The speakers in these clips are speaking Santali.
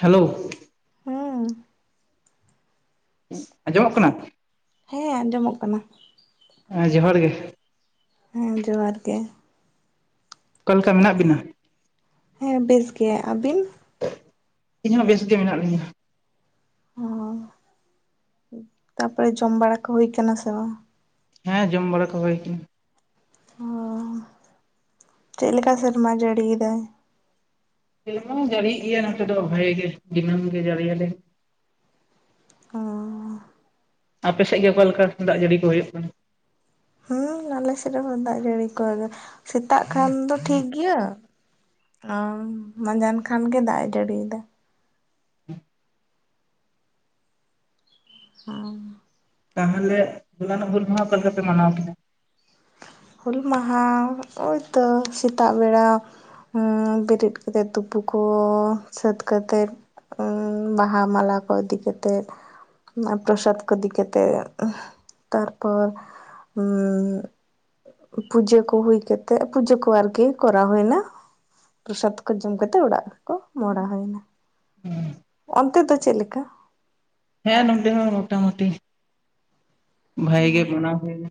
ᱦᱮᱞᱳ ᱦᱮᱸ ᱟᱸᱡᱚᱢᱚᱜ ᱠᱟᱱᱟ ᱦᱮᱸ ᱟᱸᱡᱚᱢᱚᱜ ᱠᱟᱱᱟ ᱦᱮᱸ ᱡᱚᱦᱟᱨ ᱜᱮ ᱦᱮᱸ ᱡᱚᱦᱟᱨ ᱜᱮ ᱚᱠᱟ ᱞᱮᱠᱟ ᱢᱮᱱᱟᱜ ᱵᱤᱱᱟ ᱦᱮᱸ ᱵᱮᱥ ᱜᱮ ᱟᱹᱵᱤᱱ ᱤᱧ ᱦᱚᱸ ᱵᱮᱥ ᱜᱮ ᱢᱮᱱᱟᱜ ᱞᱤᱧᱟᱹ ᱚ ᱛᱟᱨᱯᱚᱨᱮ ᱡᱚᱢ ᱵᱟᱲᱟ ᱠᱚ ᱦᱩᱭ ᱠᱟᱱᱟ ᱥᱮ ᱵᱟᱝ ᱦᱮᱸ ᱡᱚᱢ ᱵᱟᱲᱟ ᱠᱚ ᱦᱩᱭᱠᱟᱱᱟ ᱚ ᱪᱮᱫ ᱞᱮᱠᱟ ᱥᱮᱨᱢᱟ ᱡᱟᱹᱲᱤᱭᱮᱫᱟᱭ ᱥᱮᱨᱢᱟ ᱡᱟᱹᱲᱤ ᱭᱮ ᱜᱮᱭᱟ ᱱᱚᱛᱮ ᱫᱚ ᱵᱷᱟᱜᱤ ᱜᱮ ᱫᱤᱱᱟᱹᱢ ᱜᱮ ᱡᱟᱹᱲᱤᱭ ᱟᱞᱮ ᱚ ᱟᱯᱮ ᱥᱮᱫ ᱜᱮ ᱚᱠᱟ ᱞᱮᱠᱟ ᱫᱟᱜ ᱡᱟᱹᱲᱤ ᱠᱚ ᱦᱩᱭᱩᱜ ᱠᱟᱱᱟ [unintelligible] ᱟᱞᱮ ᱥᱮᱫ ᱨᱮᱦᱚᱸ ᱫᱟᱜ ᱡᱟᱹᱲᱤ ᱠᱚ ᱫᱚ ᱥᱮᱛᱟᱜ ᱠᱷᱟᱱ ᱫᱚ ᱴᱷᱤᱠ ᱜᱤᱭᱟ [unintelligible] ᱢᱟᱡᱟᱱ ᱠᱷᱟᱱ ᱜᱮ ᱫᱟᱜ ᱮ ᱡᱟᱹᱲᱤᱭᱫᱟ [unintelligible] [unintelligible] ᱛᱟᱦᱟᱞᱮ ᱦᱩᱞᱟᱱ ᱚᱜ ᱦᱩᱞ ᱢᱟᱸᱦᱟ ᱚᱠᱟ ᱞᱮᱠᱟᱯᱮ ᱢᱟᱱᱟᱣ ᱠᱤᱫᱟ ᱦᱩᱞ ᱢᱟᱦᱟ ᱳᱭᱛᱚ ᱥᱮᱛᱟᱜ ᱵᱮᱲᱟ ᱦᱩᱸ ᱵᱮᱨᱮᱫ ᱠᱟᱛᱮᱫ ᱛᱩᱯᱩ ᱠᱚ ᱥᱟᱹᱛ ᱠᱟᱛᱮᱫ [unintelligible] ᱵᱟᱦᱟ ᱢᱟᱞᱟ ᱠᱚ ᱤᱫᱤ ᱠᱟᱛᱮᱛ [unintelligible] ᱯᱨᱚᱥᱟᱫᱽ ᱠᱚ ᱤᱫᱤ ᱠᱟᱛᱮᱛ [unintelligible] ᱛᱟᱨ ᱯᱚᱨ [unintelligible] ᱯᱩᱡᱟᱹ ᱠᱚ ᱦᱩᱭ ᱠᱟᱛᱮᱜ ᱯᱩᱡᱟᱹ ᱠᱚ ᱟᱨᱠᱤ ᱠᱚᱨᱟᱣ ᱦᱚᱭᱱᱟ ᱯᱨᱚᱥᱟᱫ ᱠᱚ ᱡᱚᱢ ᱠᱟᱛᱮᱫ ᱚᱲᱟᱜ ᱠᱚ ᱢᱚᱰᱟ ᱦᱚᱭ ᱱᱟ ᱚᱱᱛᱮ ᱫᱚ ᱪᱮᱪ ᱞᱮᱠᱟ ᱦᱮᱸ ᱱᱚᱰᱮ ᱦᱚᱸ ᱢᱳᱴᱟᱢᱚᱴᱤ ᱵᱷᱟᱭ ᱜᱮ ᱢᱟᱱᱟᱣ ᱦᱮᱸ ᱦᱚᱭ ᱱᱟ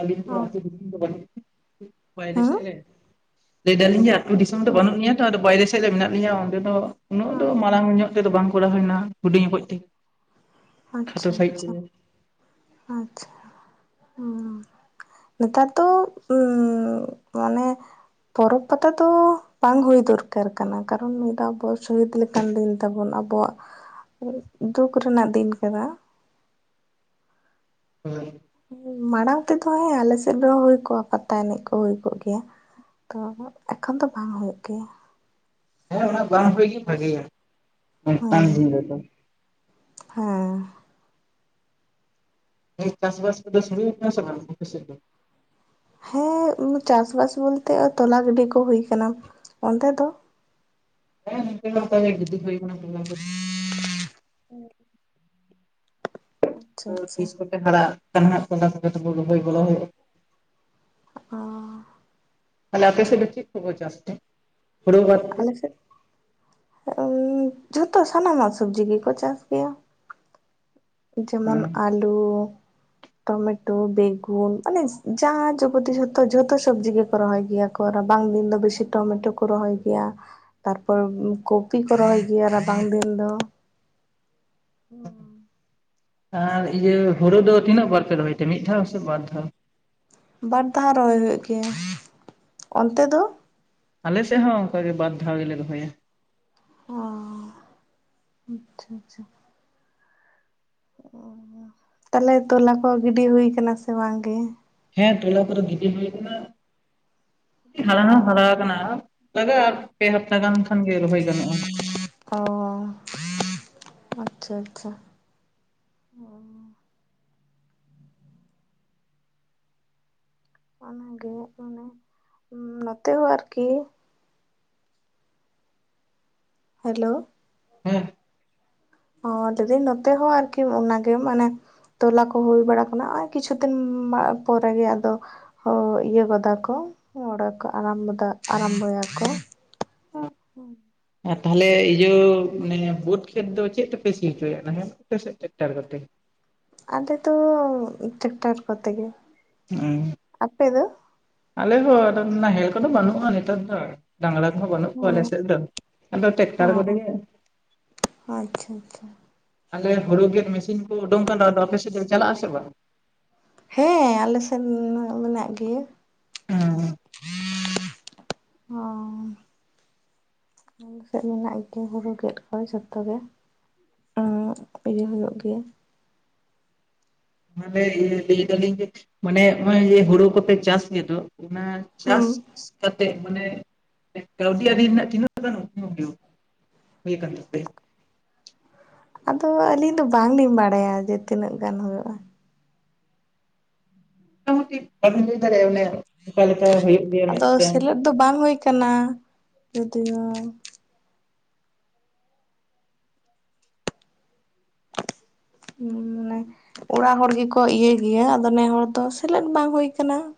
ᱟᱞᱤᱧ ᱫᱚ ᱟᱛᱳ ᱫᱤᱥᱚᱢ ᱫᱚ ᱵᱟᱱᱩᱜ [inaudible] ᱵᱟᱭᱨᱮ ᱥᱮᱫ ᱨᱮ ᱞᱮᱹᱭ ᱫᱟᱞᱤᱧ ᱟᱭᱜ ᱟᱹᱛᱩ ᱫᱤᱥᱚᱢ ᱫᱚ ᱵᱟᱹᱱᱩᱜ ᱱᱤᱧᱟᱜ ᱛᱚ ᱟᱫᱚ ᱵᱟᱭᱨᱮ ᱥᱮᱫ ᱨᱮ ᱢᱮᱱᱟᱜ ᱞᱤᱧᱭᱟ ᱚᱸᱰᱮ ᱫᱚ ᱩᱱᱟᱹᱜ ᱫᱚ ᱢᱟᱲᱟᱝ ᱧᱚᱜ᱿ ᱛᱮᱫᱚ ᱵᱟᱝ ᱠᱚᱨᱟᱣ ᱦᱚᱭᱱᱟ ᱦᱩᱰᱤᱧ ᱠᱚᱡ ᱛᱮ [inaudible] ᱠᱷᱟᱴᱚ ᱟᱪᱷᱟ ᱥᱟᱺᱦᱤᱡ ᱟᱪᱷᱟ ᱛᱮᱜᱮ ᱟᱪᱷᱟ ᱦᱩᱸ ᱱᱮᱛᱟᱨ ᱫᱚ ᱩᱸ ᱢᱟᱱᱮ ᱯᱚᱨᱚᱵᱽ ᱯᱟᱛᱟ ᱫᱚ ᱵᱟᱝ ᱦᱳᱭ ᱫᱩᱨᱠᱟᱨ ᱠᱟᱱᱟ ᱠᱟᱨᱚᱱ ᱢᱤᱫ ᱫᱟᱣ ᱵᱚᱭᱮᱥ ᱦᱩᱭ ᱤᱫᱤ ᱞᱮᱠᱟᱱ ᱫᱤᱱ ᱛᱟᱵᱚᱱᱟ ᱟᱵᱚᱣᱟᱜ ᱫᱩᱠ ᱨᱮᱱᱟᱜ ᱫᱤᱱ ᱠᱟᱱᱟ ᱦᱳᱭ ᱢᱟᱲᱟᱝ ᱛᱮᱫᱚ ᱦᱮᱸ ᱟᱞᱮ ᱥᱮᱫ ᱨᱮᱦᱚᱸ ᱦᱳᱭ ᱠᱚᱜᱼᱟ ᱯᱟᱛᱟ ᱮᱱᱮᱡ ᱠᱚ ᱦᱳᱭ ᱠᱚᱜ ᱜᱮᱭᱟ ᱛᱚ ᱮᱠᱷᱚᱱ ᱫᱚ ᱵᱟᱝ ᱦᱳᱭᱩᱜ ᱜᱮᱭᱟ ᱦᱮᱸ ᱚᱱᱟ ᱵᱟᱝ ᱦᱳᱭ ᱜᱮ ᱵᱷᱟᱜᱮᱭᱟ ᱚᱱᱠᱟᱱ ᱦᱮᱸ ᱫᱤᱱ ᱨᱮᱫᱚ ᱦᱮᱸ ᱱᱤᱛ ᱪᱟᱥᱵᱟᱥ ᱠᱚᱫᱚ ᱥᱩᱨᱩ ᱠᱟᱱᱟ ᱥᱮ ᱵᱟᱝ ᱟᱯᱮ ᱥᱮᱫ ᱫᱚ ᱦᱮᱸ ᱩᱸ ᱪᱟᱥᱵᱟᱥ ᱵᱚᱞᱛᱮ ᱛᱚᱞᱟ ᱜᱤᱰᱤ ᱠᱚ ᱦᱩᱭ ᱠᱟᱱᱟ ᱚᱸᱰᱮ ᱫᱚ ᱦᱮᱸ ᱱᱚᱱᱛᱮ ᱫᱚ ᱚᱱᱠᱟ ᱜᱮ ᱜᱤᱛᱤᱡ ᱦᱳᱭ ᱠᱟᱱᱟ [unintelligible] ᱟᱪᱪᱷᱟ ᱟᱪᱪᱷᱟ ᱛᱤᱥ ᱠᱚᱛᱮ ᱦᱟᱨᱟᱜ ᱠᱟᱱᱟᱦᱟᱜ ᱛᱚᱞᱟ ᱠᱚᱛᱮ ᱛᱚᱵᱚᱭ ᱨᱚᱦᱚᱭ ᱜᱚᱲᱚ ᱦᱳᱭᱳᱜᱼᱟ [inaudible] ᱚ ᱛᱟᱞᱮ ᱯᱮ ᱥᱮ ᱫᱚ ᱪᱮᱜ ᱠᱚ ᱠᱚ ᱪᱟᱥ ᱛᱮ ᱦᱩᱲᱩ ᱵᱟᱫ ᱛᱮ ᱟᱞᱮ ᱥᱮᱫ ᱚᱝᱻ ᱡᱷᱚᱛᱚ ᱥᱟᱱᱟᱢᱟᱜ ᱥᱚᱵᱡᱤ ᱜᱮᱠᱚ ᱪᱟᱥ ᱜᱮᱭᱟ᱾ ᱡᱮᱢᱚᱱ ᱟᱞᱩ, [unintelligible] ᱴᱚᱢᱮᱴᱳ, ᱵᱮᱜᱩᱱ ᱟᱱᱤᱡ ᱡᱟᱦᱟ ᱡᱚᱵᱚᱛᱤ ᱡᱷᱚᱛᱚ ᱡᱷᱚᱛᱚ ᱥᱚᱵᱡᱤ ᱜᱮᱠᱚ ᱨᱚᱦᱚᱭ ᱜᱮᱭᱟ ᱠᱚ᱾ ᱨᱟᱵᱟᱝ ᱫᱤᱱ ᱫᱚ ᱵᱮᱥᱤ ᱴᱚᱢᱮᱴᱳ ᱠᱚ ᱨᱚᱦᱚᱭ ᱜᱮᱭᱟ ᱛᱟᱨᱯᱚᱨ ᱠᱚᱯᱤ ᱠᱚ ᱨᱚᱦᱚᱭ ᱜᱮᱭᱟ ᱨᱟᱵᱟᱝ ᱫᱤᱱ ᱫᱚ᱾ ᱫᱚ ᱦᱩᱸ ᱟᱨ ᱤᱭᱟᱹ ᱦᱳᱲᱳ ᱫᱚ ᱛᱤᱱᱟᱹᱜ ᱵᱟᱨ ᱯᱮ ᱨᱚᱦᱚᱭ ᱛᱮ ᱢᱤᱫ ᱫᱷᱟᱣ ᱥᱮ ᱵᱟᱨ ᱫᱷᱟᱣ? ᱵᱟᱨ ᱫᱷᱟ ᱨᱚᱦᱚᱭ ᱦᱳᱭᱳᱜ ᱜᱮᱭᱟ᱾ ᱚᱱᱛᱮ ᱫᱚ? ᱟᱞᱮ ᱥᱮᱫ ᱦᱚᱸ ᱚᱱᱠᱟ ᱜᱮ ᱵᱟᱫ ᱫᱷᱟᱣ ᱜᱮᱞᱮ ᱨᱚᱦᱚᱭᱟ᱾ ᱚ ᱟᱪᱪᱷᱟ ᱟᱪᱷᱟ ᱚ ᱛᱟᱞᱮ ᱛᱚᱞᱟ ᱠᱚ ᱜᱤᱰᱤ ᱦᱩᱭ ᱠᱟᱱᱟ ᱥᱮ ᱵᱟᱝ ᱜᱮ? ᱦᱮᱸ ᱛᱚᱞᱟ ᱠᱚᱨᱮ ᱜᱤᱰᱤ ᱦᱩᱭ ᱠᱟᱱᱟ ᱛᱤᱱ ᱦᱟᱨᱟᱱᱟ ᱦᱟᱨᱟ ᱠᱟᱱᱟ ᱟᱨ ᱞᱟᱜᱟᱛ ᱯᱮ ᱦᱟᱯᱛᱟ ᱜᱟᱱ ᱠᱷᱟᱱ ᱜᱮ ᱨᱚᱦᱚᱭ ᱜᱟᱱᱚᱜᱼᱟ ᱾ ᱚ ᱟᱪᱪᱷᱟ ᱟᱪᱪᱷᱟ ᱚ ᱚᱱᱟᱜᱮ ᱚᱱᱮ ᱱᱚᱛᱮ ᱦᱚᱸ ᱟᱨᱠᱤ ᱦᱮᱞᱳ ᱾ ᱦᱮᱸ ᱚ ᱞᱟᱹᱭ ᱫᱤᱱ ᱱᱚᱛᱮ ᱦᱚᱸ ᱟᱨᱠᱤ ᱚᱱᱟᱜᱮ ᱢᱟᱱᱮ ᱾ ᱛᱚᱞᱟ ᱠᱚ ᱦᱩᱭ ᱵᱟᱲᱟ ᱠᱟᱱᱟ ᱱᱚᱜᱼᱚᱭ ᱠᱤᱪᱷᱩ ᱫᱤᱱ ᱯᱚᱨᱮ ᱜᱮ ᱟᱫᱚ ᱤᱭᱟᱹ ᱜᱚᱫᱟ ᱠᱚ ᱾ ᱚ ᱫᱚ ᱱᱚᱰᱮ ᱠᱚ ᱟᱨᱢᱵᱚᱵ ᱟᱵᱳ ᱾ ᱟᱨ ᱛᱟᱦᱞᱮ ᱛᱳ ᱵᱳᱴ ᱠᱷᱮᱛ ᱫᱚ ᱪᱮᱫ ᱛᱮᱯᱮ ᱥᱤ ᱦᱚᱪᱚᱭᱟ ᱱᱟᱦᱮᱞ ᱠᱚᱛᱮ ᱥᱮᱫ ᱴᱮᱠᱴᱟᱨ ᱠᱮᱛᱮ? ᱟᱞᱮ ᱫᱚ ᱴᱮᱠᱴᱟᱨ ᱠᱚᱛᱮ ᱜᱮ᱾ ᱦᱩᱸ ᱟᱯᱮ ᱫᱚ? ᱟᱞᱮ ᱦᱳ ᱟᱫᱚ ᱱᱟᱦᱮᱞ ᱠᱚᱫᱚ ᱵᱟᱹᱱᱩᱜ -ᱟ ᱟᱫᱚᱛ ᱫᱚ ᱾ ᱰᱟᱝᱨᱟ ᱠᱚᱦᱚᱸ ᱵᱟᱹᱱᱩᱜ ᱚ ᱠᱚᱣᱟ ᱟᱞᱮ ᱥᱮᱫ ᱫᱚ ᱟᱫᱚ ᱴᱮᱠᱴᱟᱨ ᱠᱚᱨᱮ ᱜᱮ ᱾ ᱟᱪᱪᱷᱟ ᱟᱪᱪᱷᱟ ᱾ ᱟᱞᱮ ᱦᱩᱲᱩ ᱜᱮᱫ ᱢᱮᱥᱤᱱ ᱠᱚ ᱩᱰᱩᱠ ᱠᱟᱱᱟ ᱟᱫᱚ ᱟᱯᱮ ᱥᱮᱫ ᱫᱚ ᱪᱟᱞᱟᱜ -ᱟ ᱥᱮ ᱵᱟᱝ? ᱦᱮᱸ ᱟᱞᱮ ᱥᱮᱱ ᱢᱮᱱᱟᱜ ᱜᱮᱭᱟ ᱾ ᱦᱮᱸ ᱾ ᱚ ᱾ ᱟᱞᱮ ᱥᱮᱫ ᱢᱮᱱᱟᱜ ᱜᱮᱭᱟ ᱦᱩᱲᱩ ᱠᱮᱫ ᱠᱚᱣᱟ ᱡᱚᱛᱚ ᱜᱮ ᱾ ᱚ ᱤᱭᱟᱹ ᱦᱩᱭᱩᱜ ᱜᱮᱭᱟ ᱾ ᱱᱚᱰᱮ ᱤᱭᱟᱹ ᱢᱟᱱᱮ ᱞᱟᱹᱭ ᱫᱟᱞᱤᱧ ᱡᱮ ᱢᱟᱱᱮ ᱱᱚᱜᱚᱭ ᱦᱩᱲᱩ ᱠᱚᱯᱮ ᱪᱟᱥ ᱜᱮᱫᱚ ᱾ ᱚᱱᱟ ᱦᱮᱸ ᱪᱟᱥ ᱠᱟᱛᱮ ᱢᱟᱱᱮ ᱠᱟᱹᱣᱰᱤ ᱟᱹᱨᱤ ᱨᱮᱱᱟᱜ ᱛᱤᱱᱟᱹᱜ ᱜᱟᱱᱩᱜ? ᱦᱩᱭ ᱟᱠᱟᱱ ᱛᱟᱯᱮᱭᱟ ᱾ ᱟᱫᱚ ᱟᱹᱞᱤᱧ ᱫᱚ ᱵᱟᱝᱞᱤᱧ ᱵᱟᱲᱟᱭᱟ ᱡᱮ ᱛᱤᱱᱟᱹᱜ ᱜᱟᱱ ᱦᱩᱭᱩᱜᱼᱟ ᱾ ᱟᱢ ᱴᱤᱠ ᱮᱢ ᱞᱟᱹᱭ ᱫᱟᱨᱮ ᱤᱧᱟᱹ ᱟᱫᱚ ᱥᱮᱞᱮᱫ ᱫᱚ ᱵᱟᱝ ᱦᱩᱭ ᱠᱟᱱᱟ ᱠᱤᱱᱛᱩ ᱾ ᱦᱮ ᱢᱟᱱᱮ ᱚᱲᱟᱜ ᱦᱚᱲ ᱜᱮᱠᱚ ᱤᱭᱟᱹ ᱜᱮᱭᱟ ᱟᱫᱚ ᱱᱮ ᱦᱚᱲ ᱫᱚ ᱥᱮᱞᱮᱫ ᱵᱟᱝ ᱦᱩᱭ ᱠᱟᱱᱟ ᱾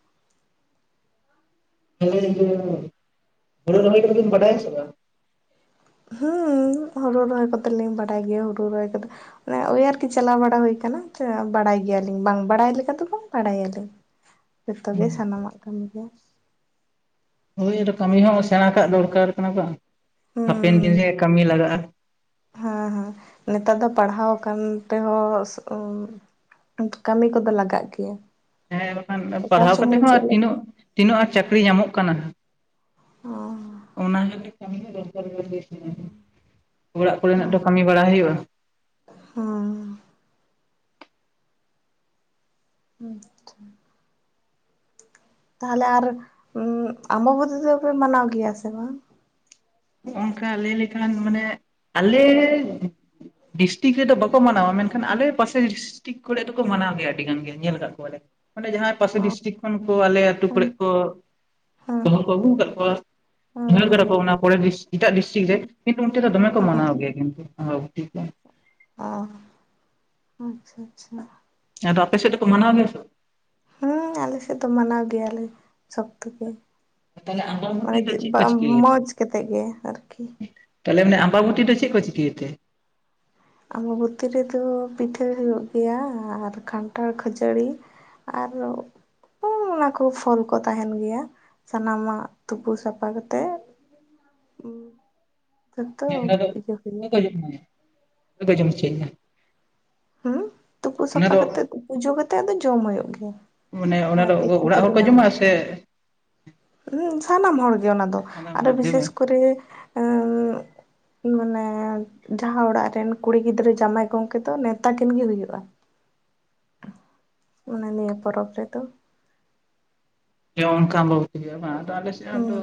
ᱦᱮ ᱢᱟᱱᱮ ᱦᱩᱲᱩ ᱨᱚᱦᱚᱭᱟ ᱠᱚᱫᱚ ᱫᱚᱢ ᱵᱟᱹᱭ ᱵᱟᱰᱟᱭᱟ ᱥᱮ ᱵᱟᱝ? ᱦᱮᱸ ᱾ ᱦᱩᱲᱩ ᱨᱚᱦᱚᱭ ᱠᱚᱫᱚ ᱞᱤᱧ ᱵᱟᱰᱟᱭ ᱜᱮᱭᱟ ᱦᱩᱲᱩ ᱨᱚᱦᱚᱭ ᱠᱚᱫᱚ ᱳᱭ ᱟᱨᱠᱤ ᱪᱟᱞᱟᱣ ᱵᱟᱲᱟ ᱦᱩᱭ ᱟᱠᱟᱱᱟ ᱵᱟᱲᱟᱭ ᱾ ᱵᱟᱲᱟᱭ ᱜᱮᱭᱟᱞᱤᱧ ᱵᱟᱝ ᱵᱟᱲᱟᱭ ᱜᱮᱭᱟ ᱫᱚ ᱵᱟᱝ ᱵᱟᱲᱟᱭᱟ ᱞᱤᱧ ᱾ ᱡᱚᱛᱚ ᱜᱮ ᱥᱟᱱᱟᱢᱟᱜ ᱠᱟᱹᱢᱤ ᱜᱮ ᱾ ᱠᱟᱹᱢᱤ ᱦᱚᱸ ᱥᱮᱬᱟ ᱠᱟᱜ ᱫᱚᱨᱠᱟᱨ ᱠᱟᱱᱟ ᱵᱟᱝ ᱾ ᱦᱩᱸ ᱦᱟᱯᱮᱱ ᱫᱤᱱ ᱨᱮ ᱠᱟᱹᱢᱤ ᱞᱟᱜᱟᱜᱼᱟ ᱾ ᱦᱮᱸ ᱦᱮᱸ ᱱᱮᱛᱟᱨ ᱫᱚ ᱯᱟᱲᱦᱟᱣ ᱟᱠᱟᱱ ᱛᱮᱦᱚᱸ ᱠᱟᱹᱢᱤ ᱠᱚᱫᱚ ᱞᱟᱜᱟᱜ ᱜᱮᱭᱟ ᱾ ᱦᱮᱸ ᱵᱟᱠᱷᱟᱱ ᱯᱟᱲᱦᱟᱣ ᱠᱟᱛᱮ ᱮᱫ ᱦᱚᱸ ᱛᱤᱱᱟᱹᱜ ᱛᱤᱱᱟᱹᱜ ᱪᱟᱹᱠᱨᱤ ᱧᱟᱢᱚᱜ ᱠᱟᱱᱟ ᱚ ᱚᱱᱟ ᱜᱮᱛᱮ ᱠᱟᱹᱢᱤ ᱨᱮ ᱞᱟᱜᱟᱜ-ᱟ ᱚᱲᱟᱜ ᱠᱚᱨᱮᱱᱟᱜ ᱫᱚ ᱠᱟᱹᱢᱤ ᱦᱩᱸ ᱵᱟᱲᱟ ᱦᱩᱭᱩᱜᱼᱟ [inaudible] ᱦᱩᱸ ᱦᱩᱸ ᱛᱟᱦᱚᱞᱮ ᱟᱨ ᱩᱢ ᱟᱢᱟᱛᱚᱛᱤ ᱫᱚᱯᱮ ᱢᱟᱱᱟᱣ ᱜᱮᱭᱟ ᱥᱮ ᱵᱟᱝ ᱦᱚᱸᱜᱼ ᱱᱚᱝᱠᱟ ᱞᱟᱹᱭ ᱞᱮᱠᱷᱟᱱ ᱢᱟᱱᱮ ᱟᱞᱮ ᱰᱤᱥᱴᱤᱠ ᱨᱮᱫᱚ ᱵᱟᱵᱚ ᱢᱟᱱᱟᱣ ᱜᱮᱭᱟ ᱢᱮᱱᱠᱷᱟᱱ ᱟᱞᱮ ᱯᱟᱥᱮ ᱰᱤᱥᱴᱤᱠ ᱠᱚᱨᱮ ᱫᱚᱠᱚ ᱢᱟᱱᱟᱣ ᱜᱮᱭᱟ ᱟᱹᱰᱤ ᱜᱟᱱ ᱜᱮ ᱧᱮᱞ ᱠᱟᱜ ᱠᱚᱣᱟ ᱞᱮ ᱚᱸᱰᱮ ᱡᱟᱦᱟᱸ ᱯᱟᱥᱮ ᱰᱤᱥᱴᱤᱠ ᱠᱷᱚᱱ ᱠᱚ ᱟᱞᱮ ᱟᱹᱛᱩ ᱦᱮᱸ ᱠᱚᱨᱮ ᱠᱚ ᱦᱮᱸ ᱵᱟᱦᱩ ᱠᱚ ᱟᱹᱜᱩ ᱟᱠᱟᱫ ᱦᱮᱸ ᱦᱮᱸ ᱠᱚᱣᱟ [inaudible] ᱯᱚᱨᱮ ᱮᱴᱟᱜ ᱰᱤᱥᱴᱤᱠ ᱨᱮ ᱠᱤᱱᱛᱩ ᱚᱲᱛᱮᱫᱚ ᱫᱚᱢᱮ ᱠᱚ ᱦᱮᱸ ᱢᱟᱱᱟᱣ ᱜᱮᱭᱟ ᱠᱚ ᱟᱢᱵᱚᱛᱤ ᱠᱚ [inaudible] ᱚ ᱟᱪᱪᱷᱟ ᱟᱪᱪᱷᱟ ᱟᱫᱚ ᱟᱯᱮ ᱥᱮᱫ ᱫᱚᱠᱚ ᱢᱟᱱᱟᱣ ᱜᱮᱭᱟ ᱥᱮ ᱦᱮᱸ ᱟᱞᱮ ᱥᱮᱫ ᱫᱚ ᱢᱟᱱᱟᱣ ᱜᱮᱭᱟᱞᱮ ᱥᱚᱠᱛᱚ ᱜᱮ ᱵᱟᱝ ᱛᱟᱦᱚᱞᱮ ᱟᱢᱵᱟᱵᱚᱛᱤ ᱢᱟᱱᱮ ᱫᱚ ᱪᱮᱫ ᱠᱚ ᱵᱟᱝ ᱪᱤᱠᱟᱹᱭ ᱜᱮᱛᱮ ᱢᱚᱡᱽ ᱠᱟᱛᱮ ᱜᱮ ᱟᱨᱠᱤ ᱛᱟᱦᱚᱞᱮ ᱢᱟᱱᱮ ᱟᱢᱵᱟᱵᱩᱛᱤ ᱫᱚ ᱪᱮᱫ ᱠᱚ ᱪᱤᱠᱟᱹᱭᱛᱮ ᱟᱢᱵᱟ ᱵᱷᱩᱛᱤ ᱨᱮᱫᱚ ᱯᱤᱴᱷᱟᱹ ᱦᱩᱭᱩᱜ ᱜᱮᱭᱟ ᱟᱨ ᱠᱟᱱᱴᱷᱟᱲ ᱠᱷᱟᱹᱡᱟᱹᱲᱤ ᱟᱨ ᱚᱱᱟ ᱠᱚ ᱯᱷᱚᱞ ᱠᱚ ᱛᱟᱦᱮᱱ ᱜᱮᱭᱟ ᱥᱟᱱᱟᱢᱟᱜ ᱛᱩᱯᱩ ᱥᱟᱯᱷᱟ ᱠᱟᱛᱮᱜ ᱦᱸ [unintelligible] ᱦᱮᱸ ᱫᱚ ᱚᱠᱚ ᱠᱚ ᱡᱚᱢ ᱚᱠᱚ ᱠᱚ ᱡᱚᱢ ᱦᱚᱪᱚ ᱢᱮᱭᱟ ᱦᱮᱸ ᱛᱩᱯᱩ ᱥᱟᱯᱷᱟ ᱠᱟᱛᱮᱜ ᱛᱩᱯᱩ ᱡᱚ ᱠᱟᱛᱮᱜ ᱟᱫᱚ ᱡᱚᱢ ᱦᱩᱭᱩᱜ ᱜᱮᱭᱟ ᱢᱟᱱᱮ ᱟᱨ ᱚᱱᱟᱫᱚ ᱯᱤᱴᱷᱟᱹ ᱚᱲᱟᱜ ᱦᱚᱲ ᱠᱚ ᱡᱚᱢᱟᱼᱟ ᱥᱮ ᱦᱮᱸ ᱥᱟᱱᱟᱢ ᱦᱚᱲᱜᱮ ᱚᱱᱟ ᱫᱚ ᱥᱟᱱᱟᱢ ᱟᱨ ᱦᱚᱲ ᱜᱮ ᱵᱤᱥᱮᱥ ᱵᱟᱝ ᱠᱚᱨᱮ ᱢᱟᱱᱮ ᱡᱟᱦᱟᱸ ᱚᱲᱟᱜ ᱨᱮᱱ ᱠᱩᱲᱤ ᱜᱤᱫᱽᱨᱟᱹ ᱡᱟᱶᱟᱭ ᱜᱚᱢᱠᱮᱛ ᱫᱚ ᱱᱮᱶᱛᱟ ᱠᱤᱱ ᱜᱮ ᱦᱩᱭᱩᱜᱼᱟ ᱢᱟᱱᱮ ᱱᱤᱭᱟᱹ ᱯᱚᱨᱚᱵᱽ ᱨᱮᱫᱚ ᱡᱮ ᱚᱱᱠᱟ ᱟᱢᱵᱟᱵᱩᱛᱤ ᱦᱳᱭᱳᱜ-ᱟ ᱵᱟᱝ ᱟᱞᱮᱥᱮᱫ ᱦᱚᱸ ᱛᱚ ᱦᱩᱸ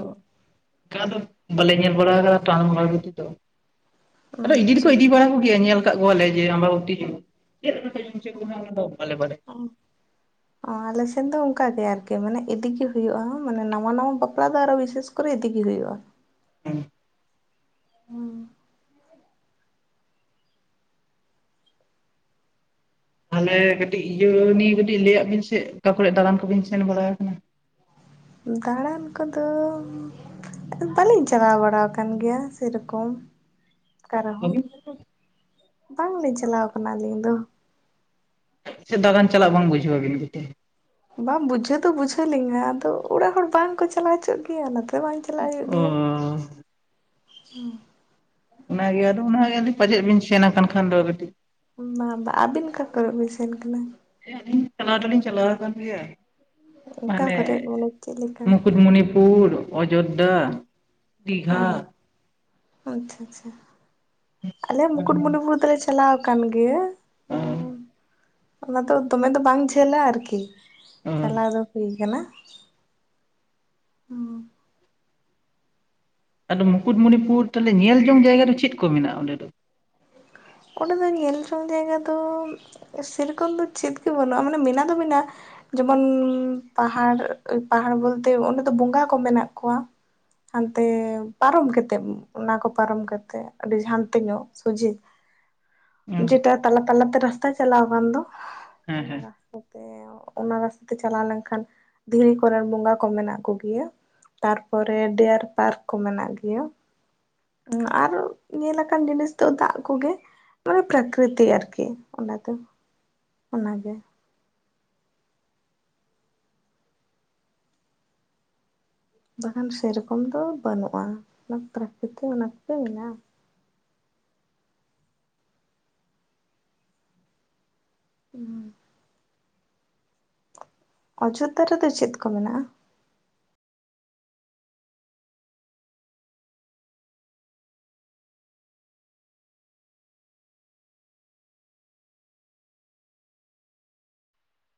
ᱚᱱᱠᱟ ᱫᱚ ᱵᱟᱞᱮ ᱧᱮᱞ ᱵᱟᱲᱟ ᱠᱟᱫᱟ ᱴᱟᱱ [unintelligible] ᱠᱚ ᱵᱟᱲ ᱜ ᱫᱚ ᱟᱫᱚ ᱤᱫᱤ ᱫᱚᱠᱚ ᱟᱪᱪᱷᱟ ᱤᱫᱤ ᱵᱟᱲᱟ ᱠᱚᱜᱮᱭᱟ ᱧᱮᱞ ᱠᱟᱫ ᱠᱚᱣᱟᱞᱮ ᱩᱛᱤ ᱡ [inaudible] ᱟᱞᱮᱴᱮᱱ ᱫᱚ ᱚᱱᱠ ᱜᱮ ᱟᱨᱠᱤ ᱢᱟᱱᱮ ᱤᱫᱤᱜᱮ ᱦᱩᱭᱩᱜᱼᱟ ᱢᱟᱱᱮ ᱱᱟᱣᱟ ᱱᱟᱣᱟ ᱵᱟᱯᱞᱟ ᱫᱚ ᱟᱨᱚ ᱵᱤᱥᱮᱥ ᱠᱚᱨᱮ ᱤᱫᱤᱜᱮ ᱦᱩᱭᱩᱜᱼᱟ ᱦᱮᱸ ᱦᱮᱸ ᱛᱟᱦᱚᱞᱮ ᱠᱟᱹᱴᱤᱡ ᱤᱭᱟᱹ ᱱᱤᱭ ᱠᱟᱹᱴᱤᱡ ᱞᱟᱹ ᱟᱫ ᱵᱤᱱ ᱥᱮ ᱚᱠᱟ ᱠᱚᱨᱮ ᱫᱟᱬᱟᱱ ᱠᱚᱵᱤᱱ ᱥᱮᱱ ᱵᱟᱲᱟ ᱠᱟᱱᱟ ᱫᱟᱬᱟᱱ ᱠᱚᱫᱚ ᱵᱟᱹᱞᱤᱧ ᱪᱟᱞᱟᱣ ᱵᱟᱲᱟ ᱟᱠᱟᱱ ᱜᱮᱭᱟ ᱥᱮᱨᱚᱠᱚᱢ ᱚᱠᱟ ᱨᱮᱦᱚᱸ [inaudible] ᱵᱟᱝᱞᱤᱧ ᱪᱟᱞᱟᱣ ᱠᱟᱱᱟ ᱟᱞᱤᱧ ᱫᱚ ᱥᱮ ᱫᱟᱬᱟᱱ ᱪᱟᱞᱟᱜ ᱵᱟᱝ ᱵᱩᱡᱷᱟᱹᱣ ᱵᱤᱱ ᱜᱮᱛᱮ ᱵᱟᱝ ᱵᱩᱡᱷᱟᱹᱣ ᱫᱚ ᱵᱩᱡᱷᱟᱹᱣ ᱞᱤᱧᱟᱹ ᱟᱫᱚ ᱚᱲᱟᱜ ᱦᱚᱲ ᱵᱟᱝᱠᱚ ᱪᱟᱞᱟᱣ ᱦᱚᱪᱚᱜ ᱜᱮᱭᱟ ᱚᱱᱟᱛᱮ ᱵᱟᱝ ᱪᱟᱞᱟᱜ ᱦᱩᱭᱩᱜ ᱚᱻ ᱜᱮᱭᱟ ᱦᱩᱸ ᱚᱱᱟᱜᱮ ᱟᱫᱚ ᱚᱱᱟᱜᱮ ᱯᱟᱪᱮᱫ ᱵᱮᱱ ᱥᱮᱱ ᱟᱠᱟᱱ ᱠᱷᱟᱱ ᱫᱚ ᱠᱟᱹᱴᱤᱡ ᱵᱟᱝ ᱵᱟᱝ ᱟᱹᱵᱤᱱ ᱚᱠᱟ ᱠᱚᱨᱮᱜ ᱵᱤᱱ ᱥᱮᱱ ᱠᱟᱱᱟ ᱦᱮᱸ ᱟᱹᱞᱤᱧ ᱪᱟᱞᱟᱣ ᱫᱚ ᱞᱤᱧ ᱪᱟᱞᱟᱣ ᱟᱠᱟᱱ ᱜᱮᱭᱟ ᱚᱠᱟ ᱢᱟᱱᱮ ᱠᱚᱨᱮ ᱢᱟᱱᱮ ᱪᱮᱫ ᱞᱮᱠᱟ ᱢᱩᱠᱩᱴᱢᱩᱱᱤᱯᱩᱨ ᱚ ᱚᱡᱳᱫᱽᱫᱷᱟ ᱫᱤᱜᱷᱟ ᱟᱪᱪᱷᱟ ᱟᱪᱪᱷᱟ ᱟᱞᱮ ᱢᱩᱠᱩᱴᱢᱩᱱᱤᱯᱩᱨ ᱫᱚᱞᱮ ᱪᱟᱞᱟᱣ ᱟᱠᱟᱱ ᱜᱮᱭᱟ ᱚ ᱦ [unintelligible] ᱚᱱᱟ ᱫᱚ ᱫᱚᱢᱮ ᱫᱚ ᱵᱟᱝ ᱡᱷᱟᱹᱞᱟ ᱟᱨᱠᱤ ᱚ ᱪᱟᱞᱟᱣ ᱫᱚ ᱦᱩᱭ ᱠᱟᱱᱟ ᱦᱩᱸ ᱟᱫᱚ ᱢᱩᱠᱩᱴᱢᱚᱱᱤᱯᱩᱨ ᱛᱟᱦᱞᱮ ᱧᱮᱞ ᱡᱚᱝ ᱡᱟᱭᱜᱟ ᱫᱚ ᱪᱮᱫ ᱠᱚ ᱢᱮᱱᱟᱜᱼᱟ ᱚᱸᱰᱮ ᱫᱚ ᱚᱸᱰᱮ ᱫᱚ ᱧᱮᱞ ᱡᱚᱝ ᱡᱟᱭᱜᱟ ᱫᱚ ᱥᱮᱨᱚᱠᱚᱢ ᱫᱚ ᱪᱮᱫ ᱜᱮ ᱵᱟᱹᱱᱩᱜᱼᱟ ᱢᱟᱱᱮ ᱢᱮᱱᱟᱜ ᱫᱚ ᱢᱮᱱᱟᱜᱼᱟ ᱡᱮᱢᱚᱱ ᱯᱟᱦᱟᱲ ᱯᱟᱦᱟᱲ ᱵᱚᱞᱛᱮ ᱚᱸᱰᱮ ᱫᱚ ᱵᱚᱸᱜᱟ ᱠᱚ ᱢᱮᱱᱟᱜ ᱠᱚᱣᱟ ᱦᱟᱱᱛᱮ ᱯᱟᱨᱚᱢ ᱠᱟᱛᱮᱫ ᱚᱱᱟ ᱠᱚ ᱯᱟᱨᱚᱢ ᱠᱟᱛᱮᱴᱮᱫ ᱟᱹᱰᱤ ᱦᱟᱱᱛᱮ ᱧᱚᱜ ᱥᱚᱡᱷᱮ ᱡᱮᱴᱟ ᱛᱟᱞᱟ ᱛᱟᱞᱟᱛᱮ ᱨᱟᱥᱛᱟ ᱪᱟᱞᱟᱣ ᱟᱠᱟᱱ ᱫᱚ ᱦᱮᱸ ᱚᱱᱟ ᱦᱮᱸ ᱨᱟᱛᱟ ᱥᱮ ᱚᱱᱟ ᱨᱟᱥᱛᱟ ᱛᱮ ᱪᱟᱞᱟᱣ ᱞᱮᱱᱠᱷᱟᱱ ᱫᱷᱤᱨᱤ ᱠᱚᱨᱮᱱ ᱵᱚᱸᱜᱟ ᱠᱚ ᱢᱮᱱᱟᱜ ᱠᱚᱜᱮᱭᱟ ᱛᱟᱨᱯᱚᱨᱮ ᱰᱤᱭᱟᱨ ᱯᱟᱨᱠ ᱠᱚ ᱢᱮᱱᱟᱜ ᱜᱮᱭᱟ ᱟᱨ ᱧᱮᱞᱟᱠᱟᱱ ᱡᱤᱱᱤᱥ ᱫᱚ ᱫᱟᱜ ᱠᱚᱜᱮ ᱢᱟᱱᱮ ᱯᱨᱟᱠᱨᱤᱛᱤᱠ ᱟᱨᱠᱤ ᱚᱱᱟ ᱫᱚ ᱚᱱᱟᱜᱮ ᱵᱟᱠᱷᱟᱱ ᱥᱮᱨᱚᱠᱚᱢ ᱫᱚ ᱵᱟᱹᱱᱩᱜᱼᱟ ᱚᱱᱟ ᱯᱨᱟᱠᱨᱤᱛᱤᱠ ᱚᱱᱟ ᱠᱚᱜᱮ ᱢᱮᱱᱟᱜᱼᱟ ᱦᱩᱸ ᱚᱡᱳᱫᱽᱫᱷᱟ ᱨᱮᱫᱚ ᱪᱮᱫ ᱠᱚ ᱢᱮᱱᱟᱜᱼᱟ